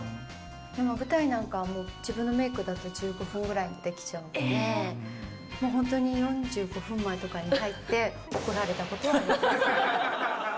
でも舞台なんかは、自分のメークだけ１５分ぐらいでできちゃうので、本当に４５分前とかに入って、怒られたことはあります。